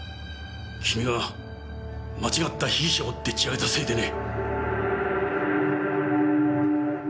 君が間違った被疑者をでっちあげたせいでね。